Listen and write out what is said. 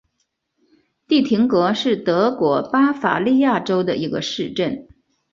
蒂廷格是德国巴伐利亚州的一个市镇。